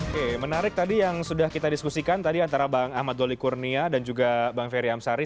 oke menarik tadi yang sudah kita diskusikan tadi antara bang ahmad doli kurnia dan juga bang ferry amsari